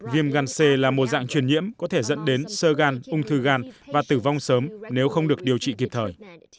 viêm gan c là một dạng truyền nhiễm có thể dẫn đến sơ gan ung thư gan và tử vong sớm nếu không được điều trị kịp thời